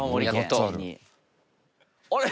あれ？